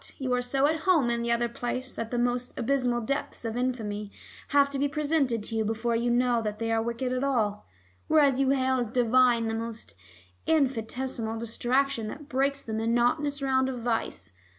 You are so at home in the other place that the most abysmal depths of infamy have to be presented to you before you know they are wicked at all, whereas you hail as divine the most infinitesimal distraction that breaks the monotonous round of vice.